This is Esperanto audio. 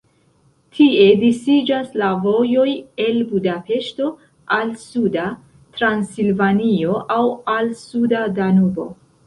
Tie disiĝas la vojoj el Budapeŝto al suda Transilvanio aŭ al suda Danubo.